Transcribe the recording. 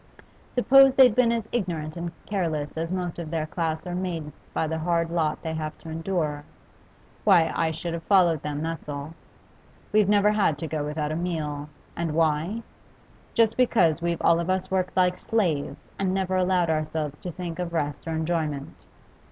Suppose they'd been as ignorant and careless as most of their class are made by the hard lot they have to endure; why, I should have followed them, that's all. We've never had to go without a meal, and why? Just because we've all of us worked like slaves and never allowed ourselves to think of rest or enjoyment.